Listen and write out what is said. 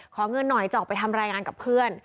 ขอเงินหน่อยจะออกไปทำรายงานกับเพื่อน